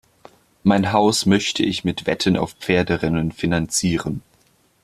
Mein Haus möchte ich mit Wetten auf Pferderennen finanzieren.